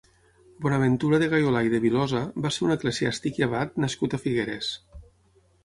Bonaventura de Gayolà i de Vilosa va ser un eclesiàstic i abat nascut a Figueres.